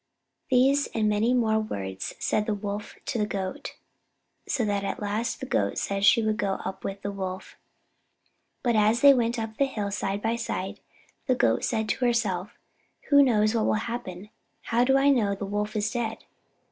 These and many more words the Wolf said to the Goat, so that at last the Goat said she would go with the Wolf. But as they went up the hill side by side, the Goat said to herself: "Who knows what will happen? How do I know the Wolf is dead?"